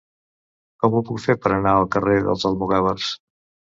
Com ho puc fer per anar al carrer dels Almogàvers?